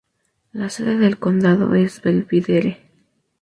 La sede del condado es Belvidere.